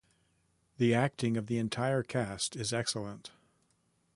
The acting of the entire cast is excellent.